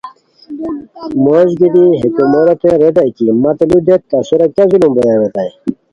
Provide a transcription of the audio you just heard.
موش گیتی ہے کوموروتین ریتائے کی مت لو دیت تہ سورا کیہ ظلم بویان ریتائے